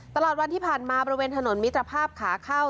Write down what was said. ตลอดวันที่ผ่านมาบริเวณถนนมิตรภาพขาเข้า